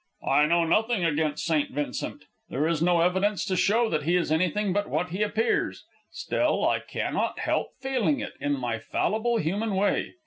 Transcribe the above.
"I know nothing against St. Vincent. There is no evidence to show that he is anything but what he appears. Still, I cannot help feeling it, in my fallible human way.